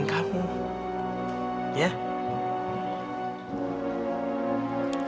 tapi itu mungkin buat r impu kerryanya